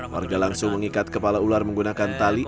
warga langsung mengikat kepala ular menggunakan tali